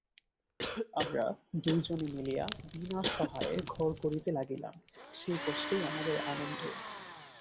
আমরা দুই জনে মিলিয়া বিনা সহায়ে ঘর করিতে লাগিলাম, সেই কষ্টেই আমাদের আনন্দ।